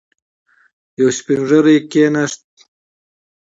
يو سپين ږيری کېناست.